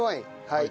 はい。